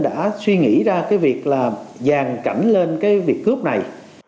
đã suy nghĩ ra cái việc là giàn cảnh lên cái việc cướp này